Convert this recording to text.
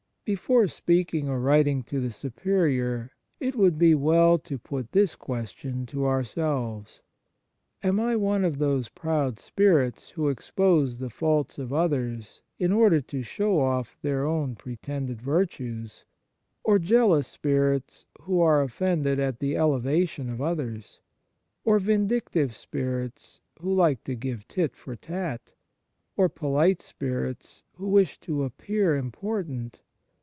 Before speaking or writing to the Superior it would be well to put this question to our selves :" Am I one of those proud spirits w r ho expose the faults of others in order to show off their own pretended virtues ? or jealous spirits who are offended at the elevation of others ? or vindictive spirits who like to give tit for tat? or polite spirits who wish to appear important